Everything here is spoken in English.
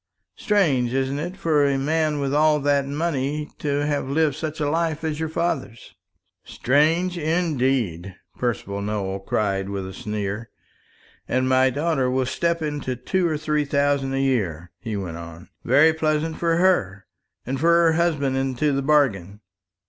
Strange, isn't it, for a man with all that money to have lived such a life as your father's?" "Strange indeed," Percival Nowell cried with a sneer. "And my daughter will step into two or three thousand a year," he went on: "very pleasant for her, and for her husband into the bargain.